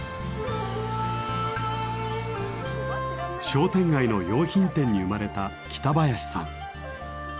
商店街の洋品店に生まれた北林さん。